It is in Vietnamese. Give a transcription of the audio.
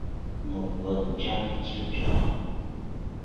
Một vầng trăng chưa tròn!